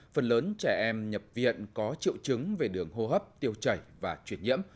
phần lớn trẻ em nhập viện có triệu chứng về đường hô hấp tiêu chảy và chuyển nhiễm